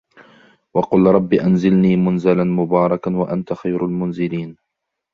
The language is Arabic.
وَقُلْ رَبِّ أَنْزِلْنِي مُنْزَلًا مُبَارَكًا وَأَنْتَ خَيْرُ الْمُنْزِلِينَ